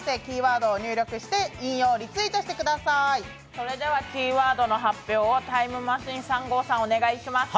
それではキーワードの発表をタイムマシーン３号さんお願いします。